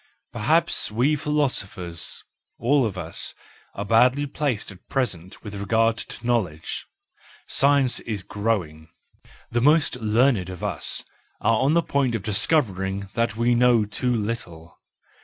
Perhaps we philosophers, all of us, are badly placed at present with regard to knowledge: science is growing, the most learned of us are on the point of discovering that we know too little.